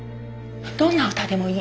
どんな歌でもいい。